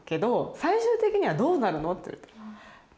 最終的にはどうなるのって言われて。